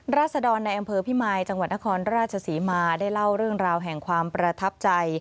ราศดรในอำเภอพิมายจังหวัดนครราชศรีมาได้เล่าเรื่องราวแห่งความประทับใจ